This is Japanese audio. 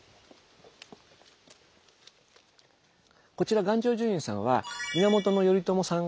こちら願成就院さんは源頼朝さんがですね